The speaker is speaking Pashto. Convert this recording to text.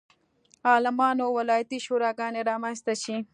عالمانو ولایتي شوراګانې رامنځته شي.